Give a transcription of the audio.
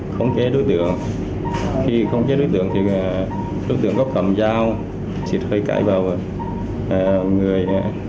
không chết đối tượng khi không chết đối tượng thì đối tượng có cầm dao xịt hơi cay vào người